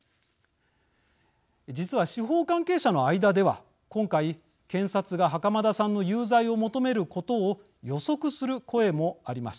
実は司法関係者の間では今回検察が袴田さんの有罪を求めることを予測する声もありました。